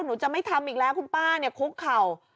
หนูจะไม่ทำอีกแล้วคุณป้าเนี่ยคุกเข่า